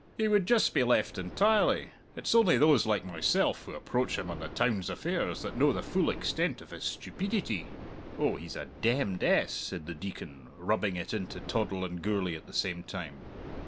He would just be left entirely! It's only those, like myself, who approach him on the town's affairs that know the full extent of his stupeedity." "Oh, he's a 'demned ess,'" said the Deacon, rubbing it into Toddle and Gourlay at the same time.